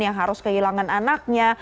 yang harus kehilangan anaknya